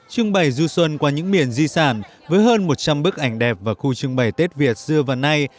trưng bày du xuân qua những miền di sản với hơn một trăm linh bức ảnh đẹp và khu trưng bày tết việt xưa và nay